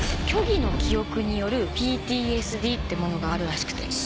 「虚偽の記憶によるＰＴＳＤ」ってものがあるらしくて。